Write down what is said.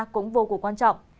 cũng vô cùng quan trọng